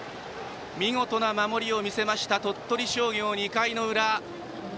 見事な守りを見せました鳥取商業、２回の裏。